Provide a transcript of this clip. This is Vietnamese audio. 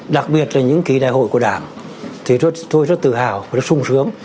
đặc biệt là những kỳ đại hội của đảng tôi rất tự hào và rất sung sướng